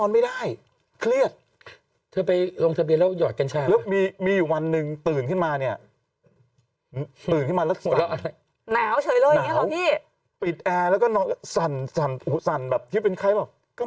ไม่ได้คิดเลยนะไม่ได้ลึง